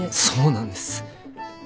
そうなんです。